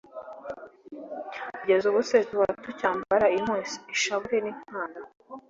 kugeza ubu se tuba tucyambara impuzu, ishabure n’inkanda’